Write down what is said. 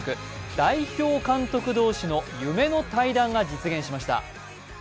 代表監督同士の夢の対談が実現しました。